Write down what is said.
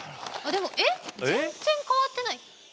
えっ全然変わってない。